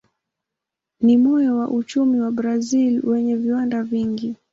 Ni moyo wa uchumi wa Brazil wenye viwanda vingi.